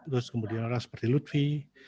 terus kemudian orang seperti lutfi